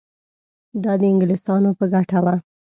دا د انګلیسیانو په ګټه وه.